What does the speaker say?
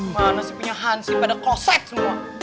mana sih punya hansi pada kosek semua